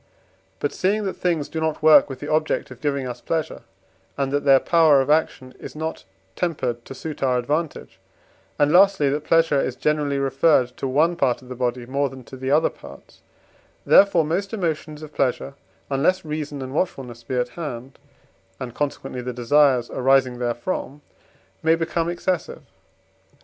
But seeing that things do not work with the object of giving us pleasure, and that their power of action is not tempered to suit our advantage, and, lastly, that pleasure is generally referred to one part of the body more than to the other parts; therefore most emotions of pleasure (unless reason and watchfulness be at hand), and consequently the desires arising therefrom, may become excessive.